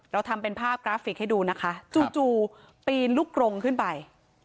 เราทำเป็นภาพกราฟิกให้ดูนะคะจู่ปีนลูกกรงขึ้นไป